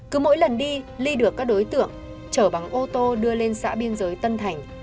cứ mỗi lần đi li được các đối tượng chở bằng ô tô đưa lên xã biên giới tân thành